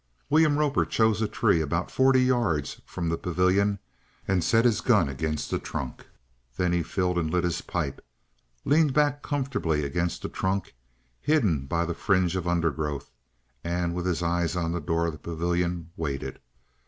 William Roper chose a tree about forty yards from the pavilion and set his gun against the trunk. Then he filled and lit his pipe, leaned back comfortably against the trunk, hidden by the fringe of undergrowth, and, with his eyes on the door of the pavilion, waited.